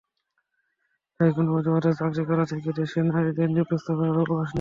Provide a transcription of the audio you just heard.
তাই কোনো অজুহাতে চাকরি করা থেকে দেশের নারীদের নিরস্ত করার অবকাশ নেই।